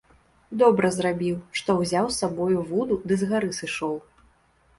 Добра зрабіў, што ўзяў з сабою вуду ды з гары сышоў.